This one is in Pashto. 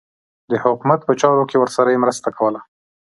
د حکومت په چارو کې یې ورسره مرسته کوله.